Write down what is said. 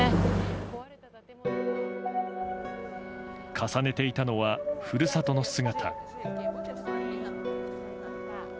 重ねていたのは、故郷の姿。